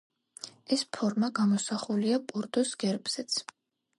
ეს ფორმა გამოსახულია ბორდოს გერბზეც.